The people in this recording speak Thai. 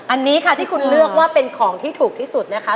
อันนี้ค่ะที่คุณเลือกว่าเป็นของที่ถูกที่สุดนะคะ